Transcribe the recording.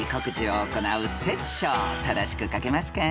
［正しく書けますか？］